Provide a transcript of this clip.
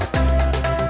banyak yang diurus